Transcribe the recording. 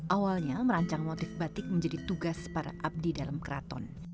awalnya merancang motif batik menjadi tugas para abdi dalam keraton